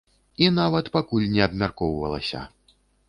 І нават пакуль не абмяркоўвалася.